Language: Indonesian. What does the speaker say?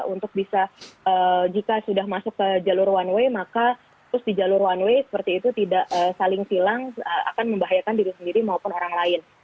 untuk bisa jika sudah masuk ke jalur one way maka terus di jalur one way seperti itu tidak saling silang akan membahayakan diri sendiri maupun orang lain